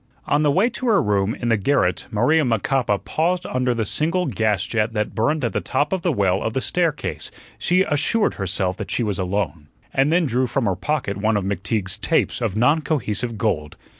On the way to her room in the garret Maria Macapa paused under the single gas jet that burned at the top of the well of the staircase; she assured herself that she was alone, and then drew from her pocket one of McTeague's "tapes" of non cohesive gold.